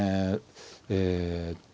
えっと